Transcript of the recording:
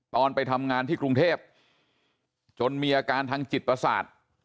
ไปทำงานที่กรุงเทพจนมีอาการทางจิตประสาท